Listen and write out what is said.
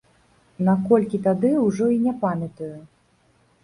На колькі тады, ужо і не памятаю.